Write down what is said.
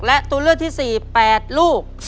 และตัวเลือกที่๔๘ลูก